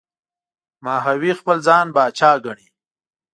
ماهوی خپل ځان پاچا ګڼي.